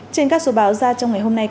trên các số báo ra trong ngày hôm nay